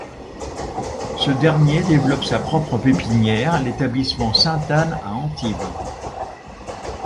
Ce dernier développe sa propre pépinière, l'établissement Sainte-Anne à Antibes.